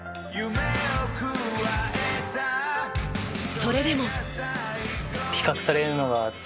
それでも。